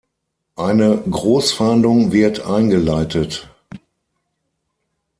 Eine Großfahndung wird eingeleitet.